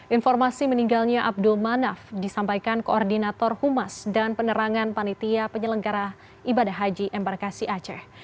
informasi meninggalnya abdul manaf disampaikan koordinator humas dan penerangan panitia penyelenggara ibadah haji embarkasi aceh